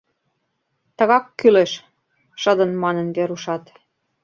— Тыгак кӱлеш, — шыдын манын Верушат.